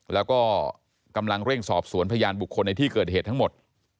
แล้วก็กำลังเร่งสอบสวนพยานบุคคลในที่เกิดเหตุทั้งหมด